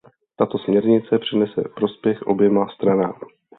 Tato směrnice přinese prospěch oběma stranám.